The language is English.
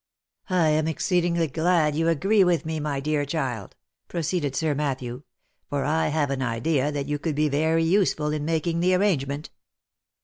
" I am exceedingly glad you agree with me, my dear child," pro ceeded Sir Matthew, " for I have an idea that you could be very useful in making the arrangement.